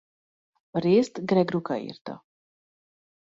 A részt Greg Rucka írta.